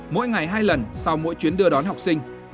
mỗi ngày hai lần sau mỗi chuyến đưa đón học sinh